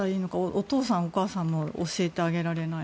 お父さん、お母さんも教えてあげられない。